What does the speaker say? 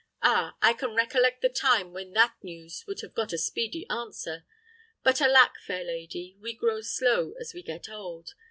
Ah, I can recollect the time when that news would have got a speedy answer. But alack, fair lady, we grow slow as we get old.